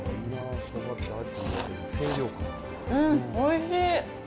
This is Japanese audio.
うん、おいしい。